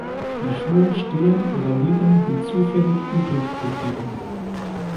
Die Schuhe stehen oder liegen „wie zufällig“ übrig geblieben.